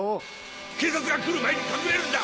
警察が来る前に隠れるんだ！